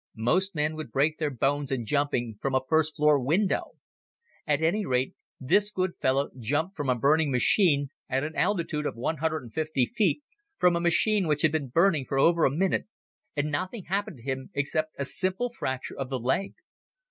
Most men would break their bones in jumping from a first floor window. At any rate, this good fellow jumped from a burning machine at an altitude of one hundred and fifty feet, from a machine which had been burning for over a minute, and nothing happened to him except a simple fracture of the leg.